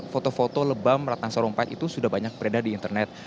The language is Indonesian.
foto foto lebam ratna sarumpait itu sudah banyak beredar di internet